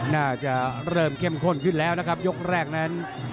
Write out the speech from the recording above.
น่าจะเริ่มเข้มข้นขึ้นแล้วนะครับยกแรกนั้น